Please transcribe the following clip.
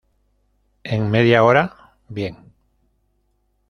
¿ en media hora? bien.